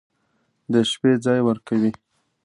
د شپې ځاى وركوي.